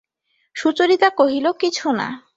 সুচরিতা কহিল, কিছু না।